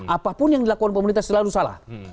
apapun yang dilakukan pemerintah selalu salah